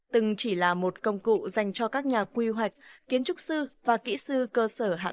từng chỉ là một công cụ dành cho các nhà quy hoạch kiến trúc sư và kỹ sư cơ sở